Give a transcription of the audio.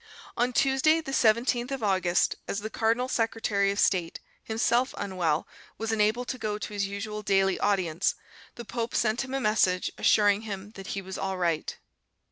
On Tuesday, the 17th of August, as the Cardinal Secretary of State, himself unwell, was unable to go to his usual daily audience, the pope sent him a message assuring him that he was all right.